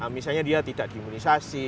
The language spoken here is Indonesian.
misalnya dia tidak di imunisasi